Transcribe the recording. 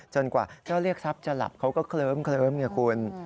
กว่าเจ้าเรียกทรัพย์จะหลับเขาก็เคลิ้มไงคุณ